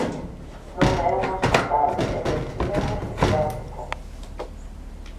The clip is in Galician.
Non é un hospital, eu estiven no psiquiátrico.